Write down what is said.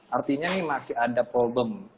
artinya ini masih ada problem